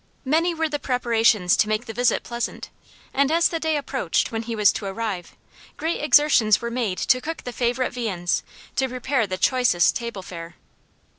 Many were the preparations to make the visit pleasant, and as the day approached when he was to arrive, great exertions were made to cook the favorite viands, to prepare the choicest table fare.